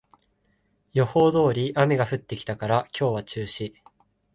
予報通り雨が降ってきたから今日は中止